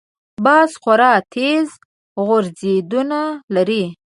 باز خورا تېز غورځېدنه لري